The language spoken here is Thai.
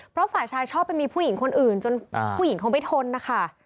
เพราะฝ่ายชายชอบไปมีผู้หญิงคนอื่นจนผู้หญิงเขาไม่ทนนะคะ